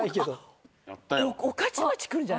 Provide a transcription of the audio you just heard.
御徒町くるんじゃない？